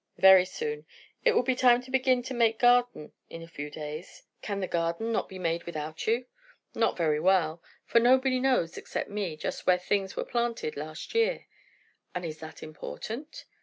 "Very soon. It will be time to begin to make garden in a few days." "Can the garden not be made without you?" "Not very well; for nobody knows, except me, just where things were planted last year." "And is that important?"